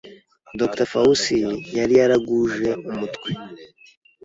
Dr Fauci yari yaraguje umutwe